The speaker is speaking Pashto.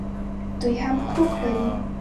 دوی هم حقوق لري